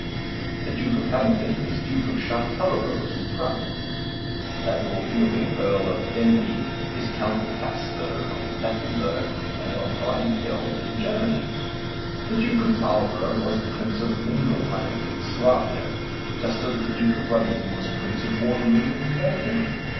The Duke of Hamilton is Duke of Chatelherault, in France; Basil Fielding, Earl of Denbigh, is Count of Hapsburg, of Lauffenberg, and of Rheinfelden, in Germany. The Duke of Marlborough was Prince of Mindelheim, in Suabia, just as the Duke of Wellington was Prince of Waterloo, in Belgium.